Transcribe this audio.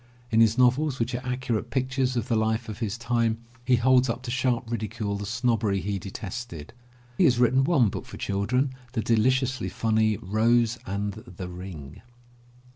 In his novels, which are accurate pictures of the life of his time, he holds up to sharp ridicule the snobbery he detested. He has written one book for children, the deliciously funny Rose and the Ring.